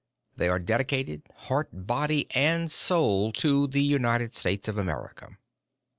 They are dedicated, heart, body, and soul to the United States of America.